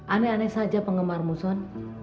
aneh aneh saja penggemar muson